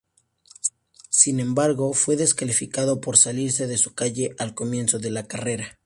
Sin embargo fue descalificado por salirse de su calle al comienzo de la carrera.